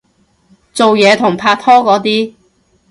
做嘢同拍拖嗰啲